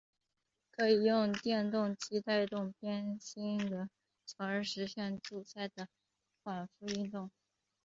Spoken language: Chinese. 可以用电动机带动偏心轮从而实现柱塞的往复运动。